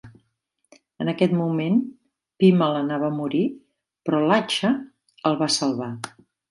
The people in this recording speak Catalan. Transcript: En aquest moment Pemal anava a morir però Lachha el va salvar.